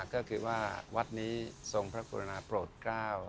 ก็คือว่าวัดนี้ทรงพระกรุณาโปรดเก้า